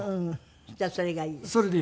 じゃあそれがいいです。